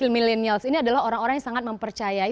millennials ini adalah orang orang yang sangat mempercayai